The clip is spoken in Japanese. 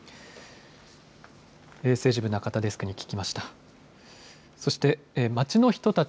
政治部、中田デスクに聞きました。